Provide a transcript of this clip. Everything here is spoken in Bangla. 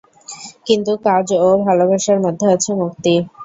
কিন্তু কাজ ও ভালবাসার মধ্যে আছে মুক্তি।